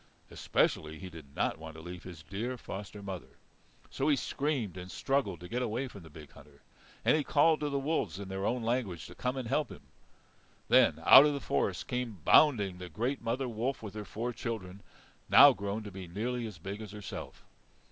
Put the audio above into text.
Especially he did not want to leave his dear foster mother. So he screamed and struggled to get away from the big hunter, and he called to the wolves in their own language to come and help him. Then out of the forest came bounding the great mother wolf with her four children, now grown to be nearly as big as herself.